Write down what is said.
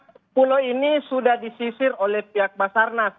di mana pulau ini sudah disisir oleh pihak pasarnas